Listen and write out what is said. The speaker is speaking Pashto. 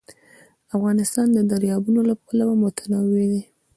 افغانستان د دریابونه له پلوه متنوع دی.